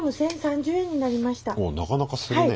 おなかなかするね。